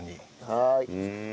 はい。